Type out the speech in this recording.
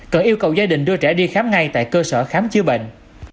cần yêu cầu gia đình đưa trẻ đi khám ngay tại cơ sở khám chữa bệnh